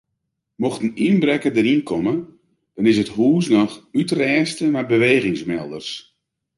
Mocht in ynbrekker deryn komme dan is it hûs noch útrêste mei bewegingsmelders.